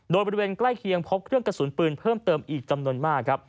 โดยบริเวณใกล้เคียงพบเครื่องกระสุนปืนเพิ่มเติมอีกจำนวนมากครับ